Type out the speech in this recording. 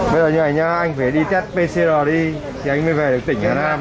bây giờ như thế này nha anh phải đi test pcr đi thì anh mới về được tỉnh hà nam